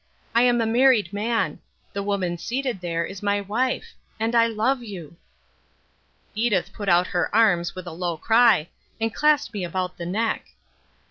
I am a married man. The woman seated there is my wife. And I love you." Edith put out her arms with a low cry and clasped me about the neck.